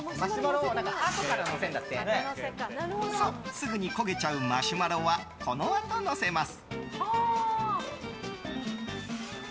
すぐに焦げちゃうマシュマロはこのあと、のせます。